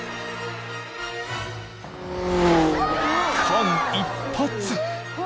［間一髪］